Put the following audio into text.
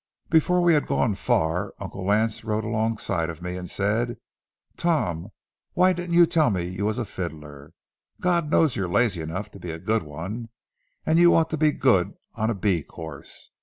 Before we had gone far, Uncle Lance rode alongside of me and said: "Tom, why didn't you tell me you was a fiddler? God knows you're lazy enough to be a good one, and you ought to be good on a bee course.